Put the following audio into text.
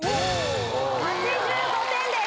８５点です。